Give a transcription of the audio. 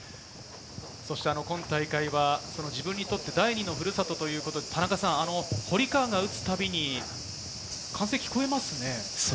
今大会は自分にとって第２のふるさとということで、堀川が打つたびに、歓声聞こえますね。